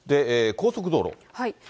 高速道路。